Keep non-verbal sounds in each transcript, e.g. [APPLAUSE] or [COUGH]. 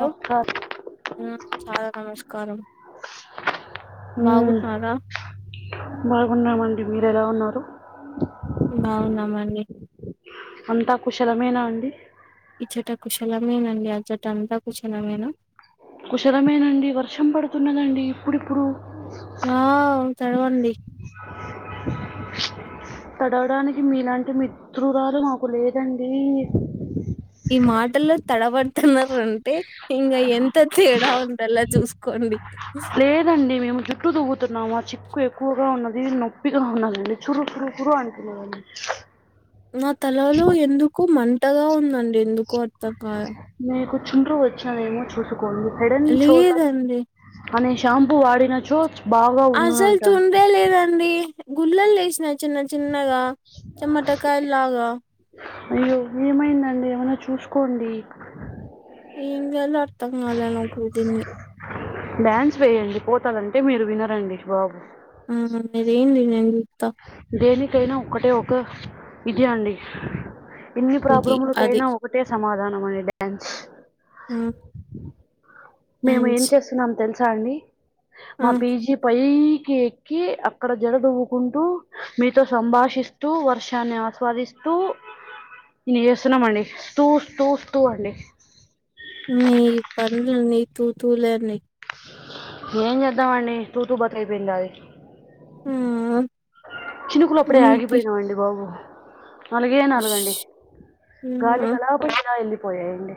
Hello నమస్కారం చాలా నమస్కారం మ్మ్. బాగున్నార బాగున్నామండి మీరు ఎలా ఉన్నారు బావున్నా మండి అంతా కుశలమేనా అండి ఈ చట కుశలమేనండి ఆ చెట అంతా కుశలమేనా కుషాలమేనండి వర్షం పడుతున్నదండి ఇప్పుడిప్పుడు ఆ చడవండి [UNINTELLIGIBLE] తడవడానికి మీలాంటి మిత్రురాలు నాకు లేదండి ఈ మాటల్లో తడబడ్తన్నారంటే ఇంగ ఎంత తేడా ఉండల్లా జూస్కోండి లేదండి మేము జుట్టూ దూగుతున్నాము చిక్కు ఎక్కువగా ఉన్నది నొప్పిగా ఉన్నదిఅండి చుర్ చుర్ చురు అంటున్నదండి నా తలలో ఎందుకో మంటగా ఉందండి ఎందుకో అర్థం కాలా నీకు చుండ్రు వచ్చదేమో చూసుకోండి హెడన్ సోల్డర్ లేదండి అనే శాంపూ వాడినచో బాగా అసల్ ఉండునంట అండి. చుండ్రే లేదండి గుళ్ళల్ లేస్నయ్ చిన్న చిన్నగా చెమటకాయలాగా అయ్యో ఏమైందండి ఏమన్నా చూస్కోండి ఏమ్ జేయాల్నో అర్థంగాలే నాకు దీన్ని డ్యాన్స్ వేయండి పోతదంటే మీరు వినరండి బాబు ఉమ్ ఏమ్ ఇదంతా దేనికైనా ఒక్కటే ఒక విది అండి ఇన్ని ఇది అది ప్రాబ్లములకైనా ఒకటే సమాధానం అని డ్యాన్స్ హ మేమ్ ఏం చేస్తున్నాం తెల్సా అండి ఆ మా పీజీ పైకి ఎక్కి అక్కడ జడదువ్వుకుంటూ మీతో సంభాషిస్ టు వర్షాన్ని ఆస్వాదిస్తూ నేస్తున్నామండి తు తు తు అండి మీ పన్లన్నీ తుతులే లన్ని ఏం చేద్దామండి తూతూ బత్కయిపోయింది నాది హుఆ చినుకులు అప్పుడే ఆగిపోయినావండి బాబు నాలుగే ష్ నాలుగండి ఆ గాలికి అలా పోయ్ ఇలా వెళ్ళిపోయాయండి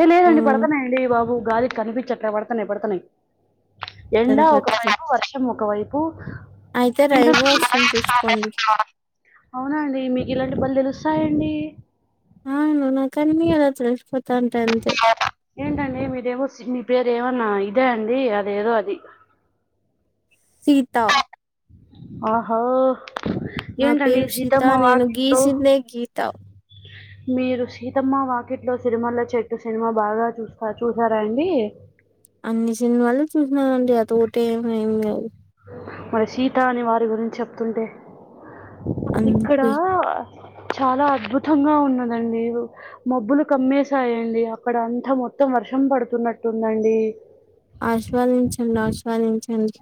ఏ ఆ లేదండి పడ్తన్నాయండి బాబు గాలిక్ కనిపించట్లే పడ్తన్నాయ్ పడ్తన్నాయ్ ఎండా ఒక తర్వాత వైపు వర్షం ఒక వైపు అయితే రైవో వస్తుంది చూసుకోండి ఆ అవున అండి మీకు ఇలాంటి బలె తెలుస్తాయండి ఆన్ నాకన్ని అలా తెల్సిపోతాంటాయ్ అంతే ఏంటండి మీరేమో మీ పేరేమైనా ఇదే అండి అదేదో అది సీత ఆహో నా ఏంటండి పేరు సీత సీతమ్మ నేను వాకిట్లో గీసిందే గీత మీరు సీతమ్మ వాకిట్లో సినిమాల్లో చెట్టు సినిమా బాగా చూసా చూసారాండి అన్ని సినిమాళు చూసినారండి అ తోటే ఏ ఏమి లేదు మరి సీత అని వారి గురించి చెప్తుంటే ఇక్కడ అందుకే చాలా అద్భుతంగా ఉన్నదండి మబ్బులు కమ్మేసాయండి అక్కడ అంతా మొత్తం వర్షం పడుతున్నట్టుందండి ఆస్వాదించండి ఆస్వాదించండి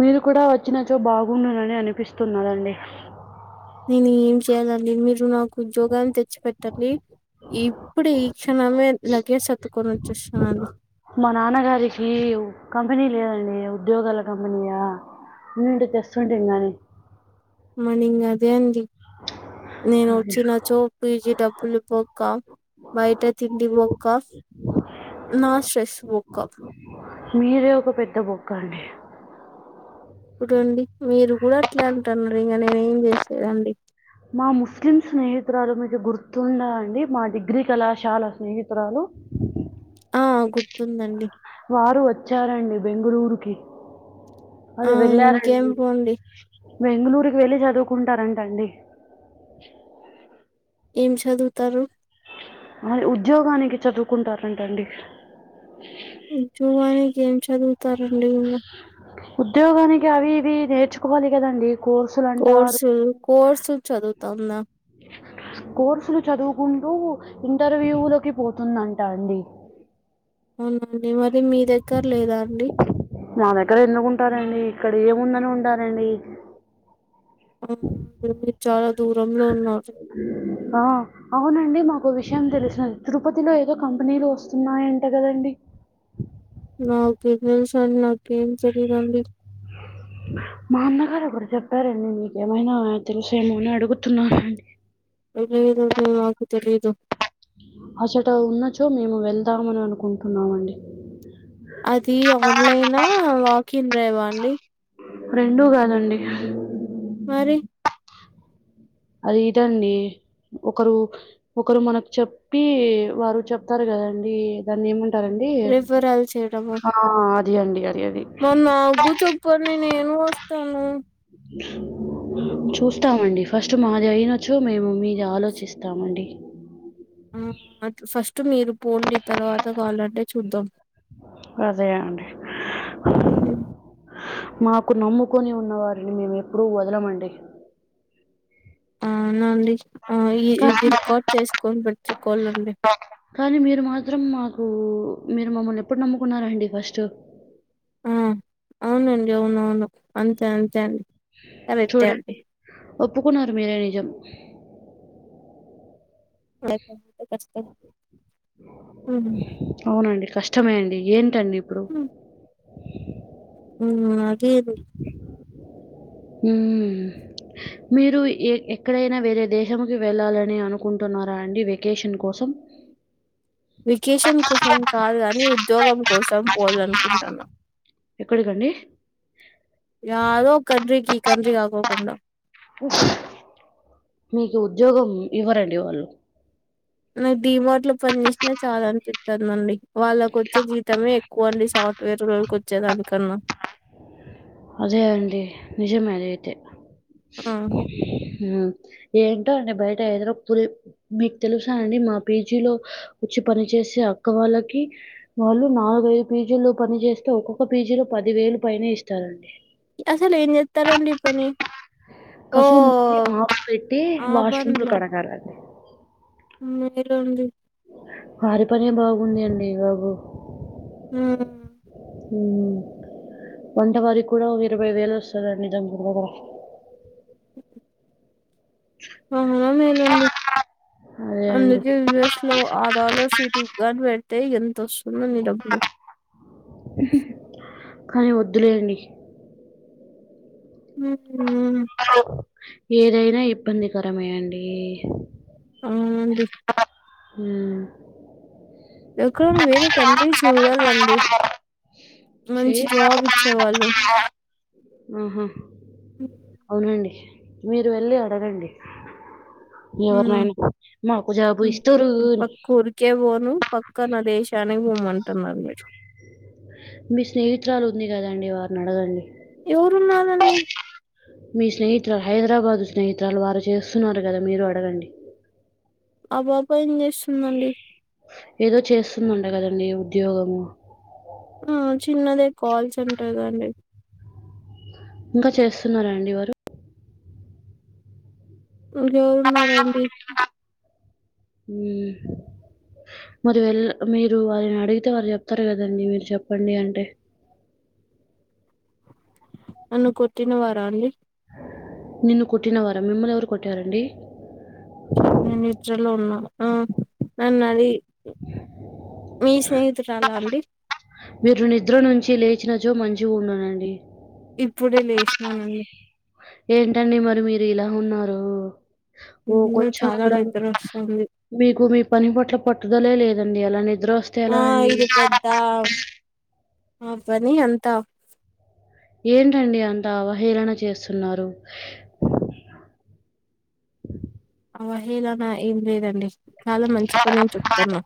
మీరు కూడా వచ్చినచో బాగుండనని అనిపిస్తున్నాదండి నేను ఏం చేయ్యాలండి మీరు నాకు ఉద్యోగాన్ని తెచ్చి పెట్టండిఇప్ ఇప్పుడు ఈ క్షణమే లగేజ్ సర్దుకొని వచ్చేస్తనాండి మా నాన్నగారికి కంపెనీ లేదండి ఉద్యోగాల కంపెనీయా ఉండుంటే తెస్తుంటూ కాని మనింగ్ అదే అండి నేను వచ్చినచో పీజీ డబ్బులు బొక్క బయట తిండి బొక్క నా స్ట్రెస్ బొక్క మీరే ఒక పెద్ద బొక్కండి ఇప్పుడండి మీరు కూడా అట్లా అంటున్నారు ఇంకా నేను ఏం చేసేదండి మా ముస్లిం స్నేహితురాలు మీద గుర్తుందాండి మా డిగ్రీ కళాశాల స్నేహితురాలు ఆ గుర్తుందండి వారు వచ్చారండి బెంగుళూరుకి ఆ అదే ఇంకేం వెళ్ళారండి పోండి బెంగళూర్కి వెళ్ళి చదువుకుంటారంటండీ ఏం చదువుతారు అ ఉద్యోగానికి చదువుకుంటారంటండి ఉద్యోగానికి ఏం చదువుతారండి ఉన్ ఉద్యోగానికి అది ఇది నేర్చుకోవాలి కదండి కోర్స్ కోర్సు కోర్సు చదువుతాందా కోర్సులు చదువుకుంటూ ఇంటర్వ్యూలకి పోతుందంటాండి అవునండి మరి మీ దగ్గర లేదాండి మా దగ్గర ఎందుకుంటారండి ఇక్కడ ఏముందని ఉంటారండి ఆ మీకు చాలా దూరంలో ఉన్న ఆ అవునండి మాకు విషయం తెలసింది తిరుపతిలో ఏదో కంపెనీలు వస్తున్నాయంట కదండి నాకేమ్ తెల్సాండి నాకేమ్ తెలీదాండి మా అన్నగారు ఒకరు చెప్పారండి మీకేమైనా తెలుసేమో అని అడుగుతున్నారండి ఏమోనండి మాకు తెలియదు అసట ఉన్నచో మేము వెళ్దామని అనుకుంటున్నాము అండి అది ఆన్లైనా వాకి ఇన్డ్రైవా అండి రెండూ కాదండి మరి అది ఇదండి ఒకరు ఒకరు మనకీ చెప్పి వారు చెప్తారు కదండి దాన్ని ఏమంట్ సరండీ రిఫరల్ ఆ అది అండి అది అది మా నాకు చెప్పండి నేను వస్తాను చూస్తామండి ఫస్ట్ మాది అయినొచ్చు మేము మీది ఆలోచిస్తామండి. ఉమ్ ఫస్ట్ మీరు పోండి తర్వాత వాలంటే చూద్దాం. అదే అండి హ్మ్. మాకు నమ్ముకొని ఉన్న వారిని మేము ఎప్పుడు వదలమండి. ఔనా అండి ఆ ఈ కానీ ఇది రికార్డ్ చేసుకోని పెట్టుకోవాలండి. కానీ మీరు మాత్రం మాకు మీరు మమ్మల్ని ఎప్పుడు నమ్ముకున్నారండి ఫస్ట్? ఆ అవునండి ఔను ఔను అంతే అంతే అండి కరెక్టే చూడండి. ఒప్పుకున్నారు మీరే నిజం అదే కదా కష్టం ఉహు ఔనండి కష్టమే అండి ఏంటండి ఇప్పుడు హుమ్ అగి హ మీరు ఎ ఎక్కడైనా వేరే దేశంకి వెళ్ళాలని అనుకుంటున్నారా అండి వెకేషన్ కోసం? వెకేషన్ కోసం కాదు కాని ఉద్యోగం కోసం పోవాల అనుకుంటున్నా. ఎక్కడికండి? యాదో కంట్రీకి ఈ కంట్రి కాకకుండా మీకు ఉద్యోగం ఇవ్వరండి వాళ్ళు నాకు డిమార్ట్ లో పనిచేసినా చాలా అనిపిస్తుందిండి వాళ్ళకు వచ్చే జీతమే వన్లీ సాఫ్ట్వేర్ వాళ్ళకి వచ్చేదానికన్నా అ లేదండి నిజమే అదైతే ఆ! ఉ ఏంటో అండి బయట వెదర్ ఫుల్ మీకు తెలుసా అండి మా పీజీలో వచ్చి పని చేసే అక్క వాళ్ళకి వాళ్ళు నాలుగైదు పీజీలో పని చేస్తే ఒక్కొక్క పీజీలో పది వేలు పైనే ఇస్తారండి. అసలు ఏం జెత్తరండి ఈ పని? కసు నుంచి ఓహ్! మాపు పెట్టి ఆ వాష్ రూమ్ లు కడగాల మ్ ఎలా ఉంది? వారి పనే బాగుంది అండి ఇ బాబు హ్మ్ మ్ వంట వారికి కూడా ఒక ఇరవై వేలు వస్తదండి దగ్గరి దగ్గర. అవునా మేలండి అదే అండి అందుకే యుఎస్ లో ఆడాలర్ సిటిగాని పె తె ఎంతోస్తుందో మి డబ్బులు హ్హ్ కానీ వద్దులేండి హ హ హవ్ ఏదైనా ఇబ్బందికరమేయండి అవునండి మ్ ఎక్కడ వేరే కంట్రీస్ చూడాల అండి మంచి చెయ్య జాబ్ ఇచ్చేవాళ్ళు ఆహా అవునండి మీరు వెళ్ళి అడగండి హ్మ్ ఎవరినైనా మాకు జాబు ఇస్తురున్ క్కే బోను పక్కన దేశానికి బూమ్ అంటున్నారు మీరు మీ స్నేహితురాలు ఉంది కదండి వారిని అడగండి. ఎవరు ఉన్నారు అండి మీ స్నేహితురాలు హైదరాబాదు స్నేహితురాలు వారు చేస్తున్నారు కదా మీరు అడగండి ఆ పాప ఏం చేస్తుందండి ఏదో చేస్తుందంట కదండడి ఉద్యోగము ఆ చిన్నదే కాల్ సెంటర్ అండి ఇంకా చేస్తున్నారండి ఎవరు ఎవరు ఉన్నారండి హు మరి వెళ్ మీరు వారిని అడిగితే వారుు చెప్తారు కదండి మీరు చెప్పండి అంటే నన్ను కొట్టిన వార అండి నిన్ను కోట్టిన వార మిమ్మల్ని ఎవరు కొట్టరండి నేను [UNINTELLIGIBLE] ఉన్నా ఆ నన్ను అది మీ స్నేహితురల అండి మీరు నిద్ర నుంచి లేచినచో మంచిగ ఉండనండి ఇప్పుడే లే [UNINTELLIGIBLE] ఏంటండి మరి మీరు ఇల ఉన్నారు ఓ ఈ [UNINTELLIGIBLE] కొంచెం చాల కూడా నిద్దుర వస్తుంది మీకు మీ పని పట్ల పట్టుదలే లేదండి అలా నిద్ర వస్తే ఆ ఎలా అండి ఇది పెద్ద ఆ పని అంత ఏంటండి అంత అవహేళన చేస్తున్నారు అవహేలాన ఏం లేదండి చాల మంచి పనే చెప్తున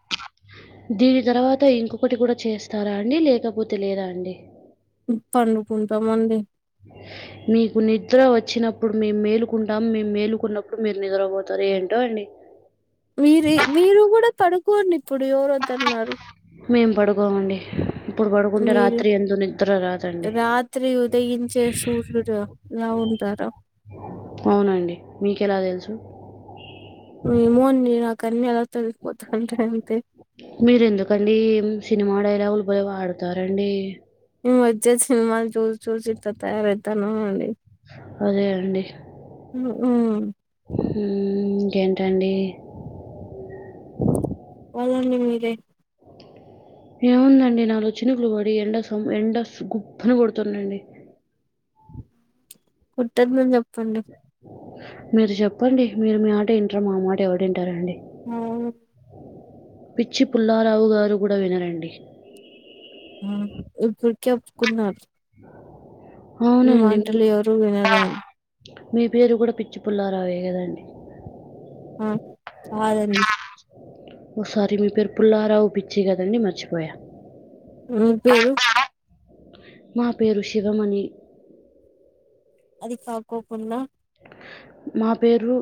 దీని తర్వాత ఇంకొకటి కూడ చేస్తారా అండి లేకపోతే లేదా అండి పండుకుంటాం అండి మీకు నిద్ర వచ్చినప్పుడు మేము మేలుకుంటాం మేము మేలుకున్నప్పుడు మీరు నిద్ర పోతారు ఏంటో అండి మీరు మీరు కూడ పడుకోండి ఇప్పుడు ఎవరు వద్దన్నారు మేము పడుకోం అండి [UNINTELLIGIBLE] మీరు రాత్రి యందు నిద్ర [UNINTELLIGIBLE] రాత్రి ఉదయించే సూర్యుడు ల ఉంటార అవునండి మీకెలా తెలుసు ఏమోండి నాకు అన్నీ అలా తెలిసిపోతుంటాయి అంతే మీరు ఎందుకండి సినిమా డైలాగులు బలే వాడుతారండి [UNINTELLIGIBLE] సినిమాలు చూసి చూసి ఇట్లా తయారవుతానము అండి అదే అండి ఉ- ఉమ్. ఇంకేంటండి [UNINTELLIGIBLE] మీరే ఏముందండి నాలుగు చినుకులు పడి ఎండ సం ఎండ గుప్పని కొడుతుందండి కోట్టద్దని [UNINTELLIGIBLE] చెప్పండి మీరు చెప్పండి మీరు మీ [UNINTELLIGIBLE] వింటారు మా మాట ఎవరు ఇంటారు అండి ఆ పిచ్చి పుల్లారావు గారు కూడ వినరండి ఇప్పుడు చెప్పుకున్నారు అవునండి ఎవరు వినరు అని మీ పేరు కూడ పిచ్చి పుల్లారావే కదండి ఆ [UNINTELLIGIBLE] దండి ఓసారి మీ పేరు పుల్లారావూ పిచ్చి కదండి మర్చిపోయా నూ పేరు మా పేరు శివమణి అది కాకుండా మా పేరు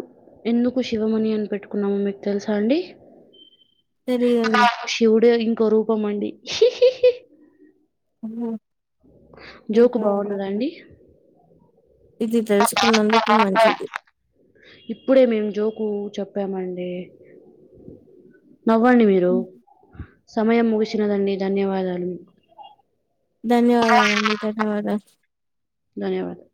ఎందుకు శివమణి అని పెట్టుకున్నాము మీకు తెలుసా అండి తెలియదండి శివుడు ఇంకొ రూపంమండి ఓ జోకు బాగువునదా అండి ఇది తెలుసుకున్నందుకు మంచిది ఇప్పుడే మేము జోకు చెప్పామండి నవ్వండి మీరు సమయం ముగిసినదండి ధన్యవాదాలు ధన్యవాదాలు అండి ధన్యవాదాలు ధన్యవాదాలు